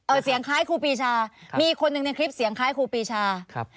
เสียงคล้ายครูปีชามีคนหนึ่งในคลิปเสียงคล้ายครูปีชาครับ